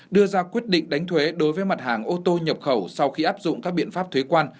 đưa ra quyết định đánh thuế đối với mặt hàng ô tô nhập khẩu sau khi áp dụng các biện pháp thuế quan